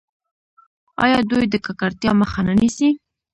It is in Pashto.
آیا دوی د ککړتیا مخه نه نیسي؟